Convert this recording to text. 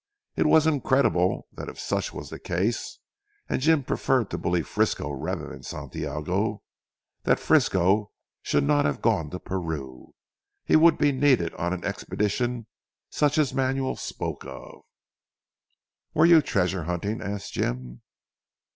It was incredible that if such was the case (and Jim preferred to believe Frisco rather than Santiago) that Frisco should not have gone on to Peru. He would be needed on an expedition such as Manuel spoke of. "Were you treasure hunting" asked Jim.